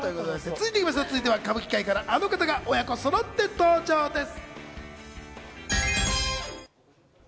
続いては歌舞伎界からあの方が親子そろって登場です。